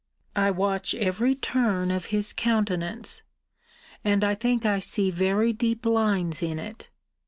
I watch every turn of his countenance: and I think I see very deep lines in it.